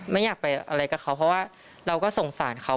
ไม่อยากไปอะไรกับเขาเพราะว่าเราก็สงสารเขา